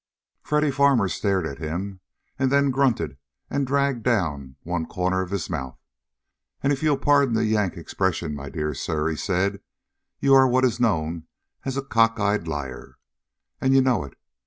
Freddy Farmer stared at him and then grunted and dragged down one corner of his mouth. "And if you'll pardon the Yank expression, my dear sir," he said, "you are what is known as a cockeyed liar. And you know it!